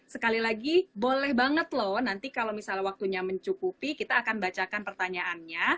sekali lagi boleh banget loh nanti kalau misalnya waktunya mencukupi kita akan bacakan pertanyaannya